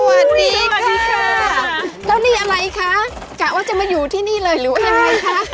สวัสดีค่ะเจ้านี่อะไรคะกะว่าจะมาอยู่ที่นี่เลยหรือว่ายังไงคะ